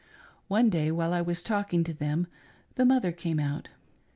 One day, while I was talking to them, the mother came out.